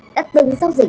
đã từng sâu dưới